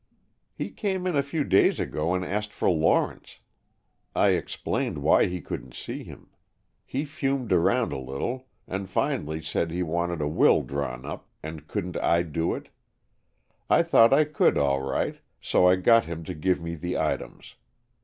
"He came in a few days ago and asked for Lawrence. I explained why he couldn't see him. He fumed around a little, and finally said he wanted a will drawn up, and couldn't I do it? I thought I could all right, so I got him to give me the items.